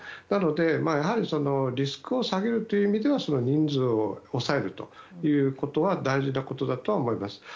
なので、やはりリスクを下げるという意味では人数を抑えるということは大事なことだとは思います。